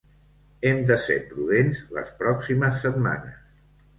Hem de ser prudents les pròximes setmanes.